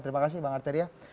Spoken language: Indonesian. terima kasih bang arteria